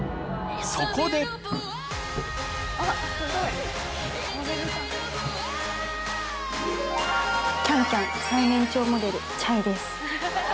そこで『ＣａｎＣａｍ』最年長モデルｃｈａｙです。